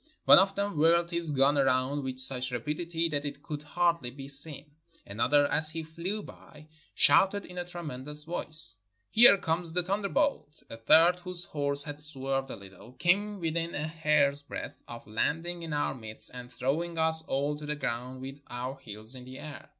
One of them whirled his gun around with such rapidity that it could hardly be seen; another, as he flew by, shouted in a tremendous voice, "Here comes the thunderbolt!" a third, whose horse had swerved a little, came within a hair's breadth of landing in our midst and throwing us all to the ground with our heels in the air.